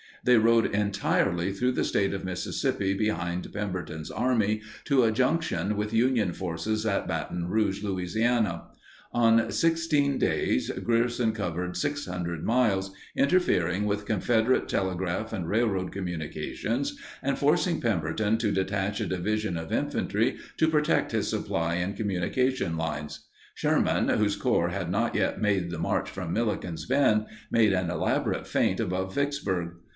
They rode entirely through the State of Mississippi behind Pemberton's army to a junction with Union forces at Baton Rouge, La. In 16 days Grierson covered 600 miles, interfering with Confederate telegraph and railroad communications and forcing Pemberton to detach a division of infantry to protect his supply and communication lines. Sherman, whose corps had not yet made the march from Milliken's Bend, made an elaborate feint above Vicksburg.